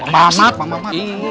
pak mat pak mat